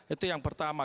itu yang pertama